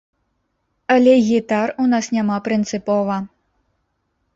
Але гітар у нас няма прынцыпова.